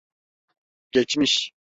Geçmiş.